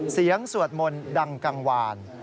เสียงสวดมนต์ดังกังวาล